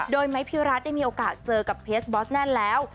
โดยไมค์พิวรัสได้มีโอกาสเจอกับเพียสบอสแนนด์แล้ว